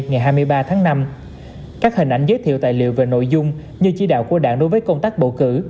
ngày hai mươi ba tháng năm các hình ảnh giới thiệu tài liệu về nội dung như chỉ đạo của đảng đối với công tác bầu cử